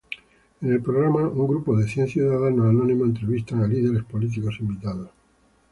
En el programa, un grupo de cien ciudadanos anónimos entrevistan a líderes políticos invitados.